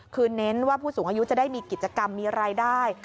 คือเน้นว่าผู้สูงอายุจะได้มีกิจกรรมมีรายได้